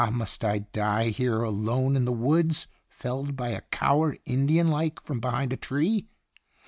must I die here, alone in the woods, felled by a coward, Indian like, from behind a tree